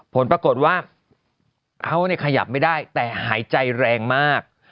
ผลปรากฏว่าเขาขยับไม่ได้แต่หายใจแรงมาก